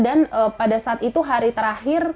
dan pada saat itu hari terakhir